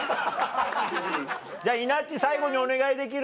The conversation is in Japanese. じゃあいなっち最後にお願いできる？